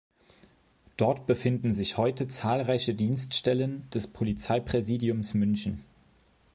Dort befinden sich heute zahlreiche Dienststellen des Polizeipräsidiums München.